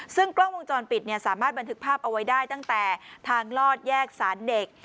ซึ่งกล้องวงจรปิดสามารถบันทึกภาพเอาไว้ได้ตั้งแต่ทางลอดแยกสารเด็ก